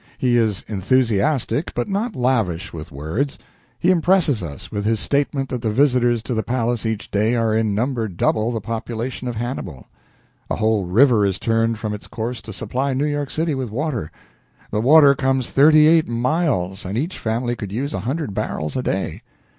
He is enthusiastic, but not lavish of words. He impresses us with his statement that the visitors to the Palace each day are in number double the population of Hannibal; a whole river is turned from its course to supply New York City with water; the water comes thirty eight miles, and each family could use a hundred barrels a day!